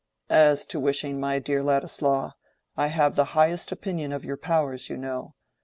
"As to wishing, my dear Ladislaw, I have the highest opinion of your powers, you know.